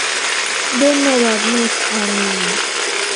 ধন্যবাদ, মিস অ্যানিং।